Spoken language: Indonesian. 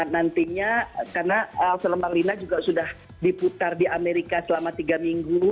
nantinya karena film marlina juga sudah diputar di amerika selama tiga minggu